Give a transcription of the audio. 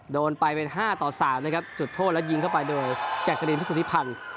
โดนไปเป็น๕๓จุดโทษแล้วยิงเข้าไปโดยแจกกระดิ่นพระสุทธิพันธ์